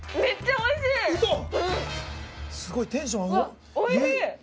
おいしいっ！